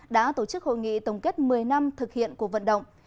đã tổ chức hội nghị tổng kết một mươi năm thực hiện cuộc vận động